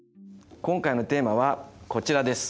今回のテーマはこちらです！